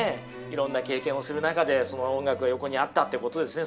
いろんな経験をする中でその音楽が横にあったということですね。